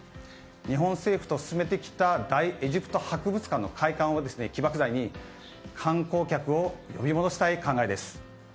日本政府と進めてきた大エジプト博物館の開館を起爆剤に観光客を呼び戻したい考えです。